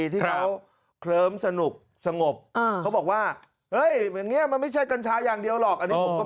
เวลาเขาเคลิ้มสนุกสงบเขาบอกว่าเฮ้ยมันไม่ใช่กัญชาอย่างเดียวหรอก